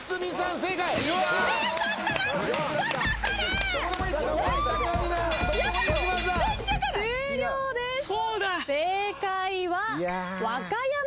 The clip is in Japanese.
正解は。